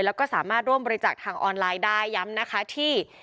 แล้วก็สามารถร่วมบริจาคทางออนไลน์ได้ย้ำนะคะที่